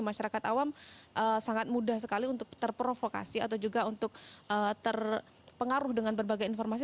masyarakat awam sangat mudah sekali untuk terprovokasi atau juga untuk terpengaruh dengan berbagai informasi